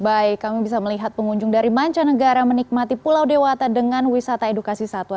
baik kami bisa melihat pengunjung dari mancanegara menikmati pulau dewata dengan wisata edukasi satwa